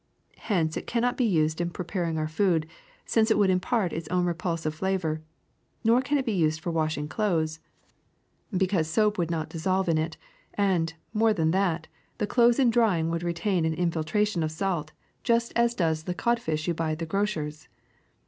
Hence it cannot be used in prepar ing our food, since it would impart its own repulsive flavor; nor can it be used for washing clothes, be SALT 205 cause soap will not dissolve in it and, more than that, the clothes in drying would retain an infiltration of salt just as does the codfish you buy at the grocer's.